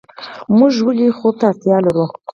موږ ولې خوب ته اړتیا لرو